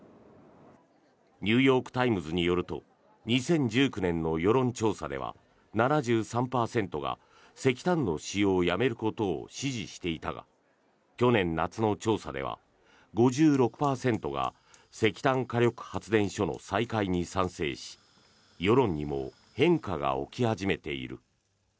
ニューヨーク・タイムズによると２０１９年の世論調査では７３％が石炭の使用をやめることを支持していたが去年夏の調査では５６％が石炭火力発電所の再開に賛成し世論にも変化が起き始めている。